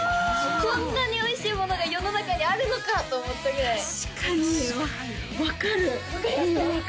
こんなにおいしいものが世の中にあるのかと思ったぐらい確かに分かる分かりますか？